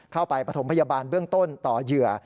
ก็มอบไปประถมพยาบาลเบื้องต้นต่อเหยื่อ